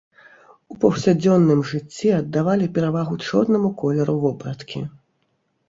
У паўсядзённым жыцці аддавалі перавагу чорнаму колеру вопраткі.